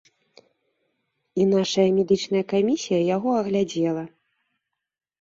І нашая медычная камісія яго аглядзела.